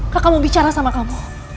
kakak kamu bicara sama kamu